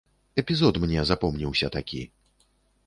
Эпізод мне запомніўся такі.